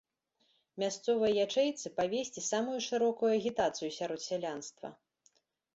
Мясцовай ячэйцы павесці самую шырокую агітацыю сярод сялянства.